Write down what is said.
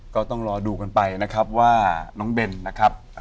ก็ต้องรอดูกันไปนะครับว่าน้องเบนนะครับ